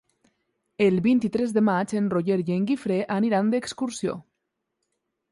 El vint-i-tres de maig en Roger i en Guifré aniran d'excursió.